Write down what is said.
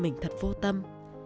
mình thật vô tâm